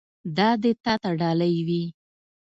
دا دې تا ته ډالۍ وي.